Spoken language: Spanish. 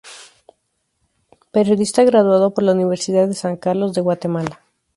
Periodista graduado por la Universidad de San Carlos de Guatemala.